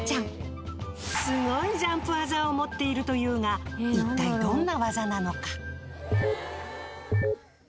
すごいジャンプ技を持っているというが一体どんな技なのか？